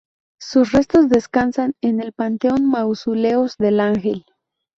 Sus restos descansan en el panteón "Mausoleos del Ángel".